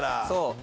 そう。